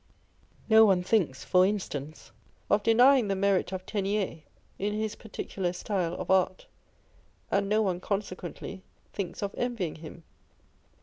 No one thinks, for instance, of denying the merit of Teniers in his particular style of art, and no one consequently thinks of envying him.